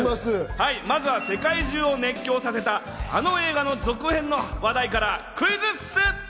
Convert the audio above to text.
まずは世界中を熱狂させた、あの映画の続編の話題からクイズッス！